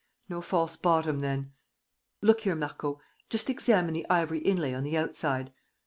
No false bottom, then? ... Look here, Marco: just examine the ivory inlay on the outside